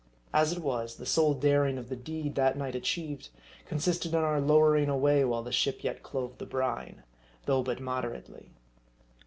As it was, the sole daring of the deed that night achieved, consisted in our lowering away while the ship yet clove the brine, though but mod erately.